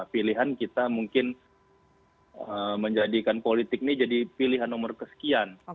pilihan kita mungkin menjadikan politik ini jadi pilihan nomor kesekian